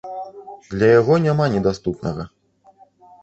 Для яго няма недаступнага.